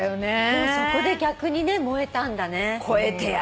でもそこで逆にね燃えたんだね。超えてやる。